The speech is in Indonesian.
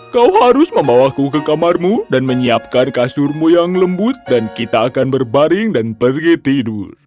kau harus membawaku ke kamarmu dan menyiapkan kasurmu yang lembut dan kita akan berbaring dan pergi tidur